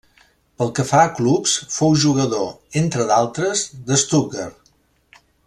Pel que fa a clubs, fou jugador, entre d'altres, de Stuttgart.